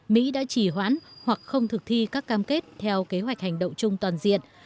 mỹ đã chỉ hoãn hoặc không thực thi các cam kết theo kế hoạch hành động chung toàn diện